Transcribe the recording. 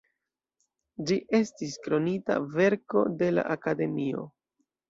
Ĝi estis "Kronita verko de la Akademio".